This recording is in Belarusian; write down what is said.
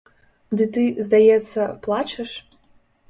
Ды ты, здаецца, плачаш?